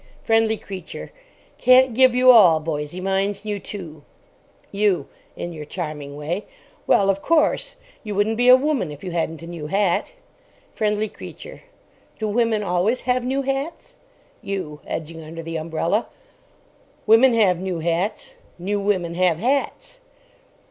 FRIENDLY CREATURE. Can't give you all, boysie. Mine's new, too. YOU. (in your charming way). Well, of course. You wouldn't be a woman if you hadn't a new hat. FRIENDLY CREATURE. Do women always have new hats? YOU. (edging under the umbrella). Women have new hats. New women have hats.